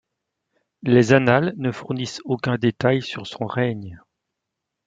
Les annales ne fournissent aucun détail sur son règne.